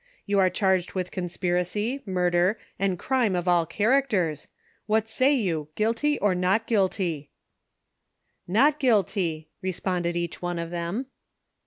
Yon are charged with con spiracy, murder and crime of all characters, what say you, guilty or not guilty V ""■ Not guilty," responded each one of them.